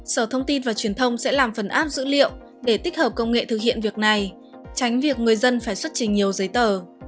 sở thông tin và truyền thông sẽ làm phần áp dữ liệu để tích hợp công nghệ thực hiện việc này tránh việc người dân phải xuất trình nhiều giấy tờ